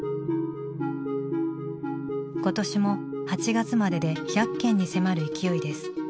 今年も８月までで１００件に迫る勢いです。